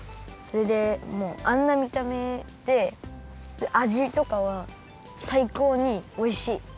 それでもあんなみためであじとかはさいこうにおいしい。